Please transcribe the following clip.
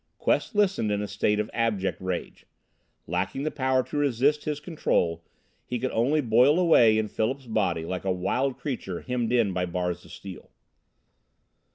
Quest listened in a state of abject rage. Lacking the power to resist his Control, he could only boil away in Philip's body like a wild creature hemmed in by bars of steel.